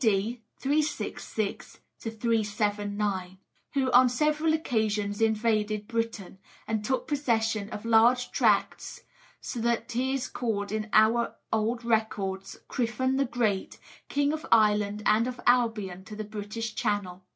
D., 366 to 379), who on several occasions invaded Britain, and took possession of large tracts, so that he is called in our old records "Criffan the Great, king of Ireland, and of Albion to the British Channel."